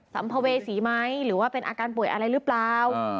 สัมภเวษีไหมหรือว่าเป็นอาการป่วยอะไรหรือเปล่า